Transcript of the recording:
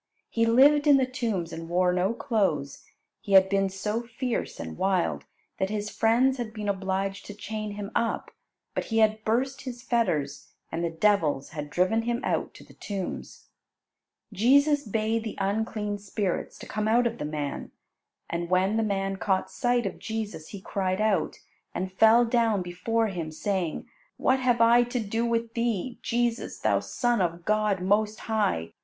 He lived in the tombs and wore no clothes. He had been so fierce and wild that his friends had been obliged to chain him up, but he had burst his fetters, and the devils had driven him out to the tombs. Jesus bade the unclean spirits to come out of the man. And when the man caught sight of Jesus, he cried out, and fell down before Him, saying, "What have I to do with Thee, Jesus, Thou Son of God most high?